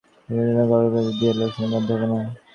পুরোনো কলকবজা দিয়ে লোকসান বন্ধ হবে না।